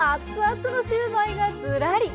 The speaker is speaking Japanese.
つのシューマイがずらり。